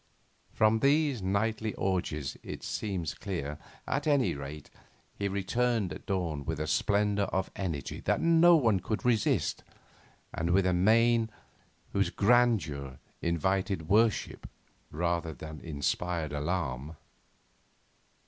From these nightly orgies, it seems clear, at any rate, he returned at dawn with a splendour of energy that no one could resist, and with a mien whose grandeur invited worship rather than inspired alarm.